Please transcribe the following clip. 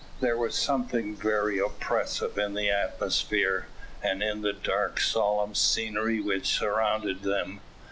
There was something very oppressive in the atmosphere, and in the dark solemn scenery which surrounded them.